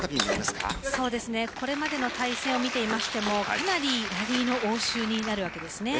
これまでの対戦を見ていましてもラリーの応酬になるわけですね。